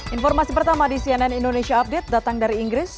informasi pertama di cnn indonesia update datang dari inggris